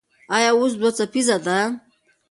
ایا اوس دوه څپیزه ده؟